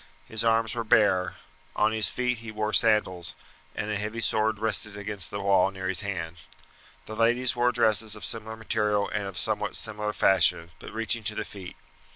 His arms were bare; on his feet he wore sandals, and a heavy sword rested against the wall near his hand. The ladies wore dresses of similar material and of somewhat similar fashion, but reaching to the feet.